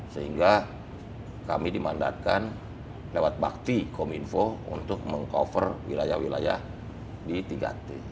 sehingga kami dimandatkan lewat bakti kominfo untuk meng cover wilayah wilayah di tiga t